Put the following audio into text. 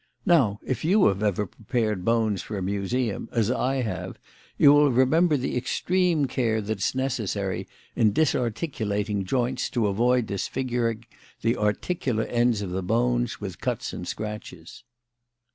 Now, if you have ever prepared bones for a museum, as I have, you will remember the extreme care that is necessary in disarticulating joints to avoid disfiguring the articular ends of the bones with cuts and scratches."